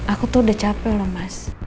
aku tuh udah capek loh mas